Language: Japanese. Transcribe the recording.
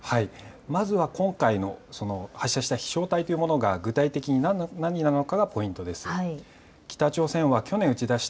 まずは今回の発射した飛しょう体というものが具体的に何なのかがポイントになります。